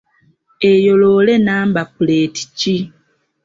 Eyo loole nnamba puleeti ki?